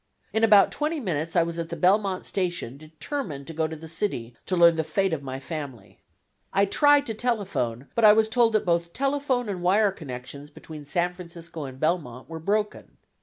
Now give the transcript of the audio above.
In about twenty minutes I was at the Belmont Station determined to go to the city to learn the fate of my family. I tried to telephone, but I was told that both telephone and wire connections between San Francisco and Belmont were broken.